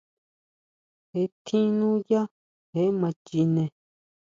Jee tjín núyá, je ma chine.